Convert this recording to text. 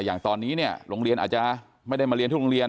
อย่างตอนนี้เนี่ยโรงเรียนอาจจะไม่ได้มาเรียนทุกโรงเรียน